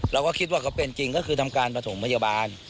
เราก็คิดว่าเขาเป็นจริงก็คือทำการประถมพยาบาล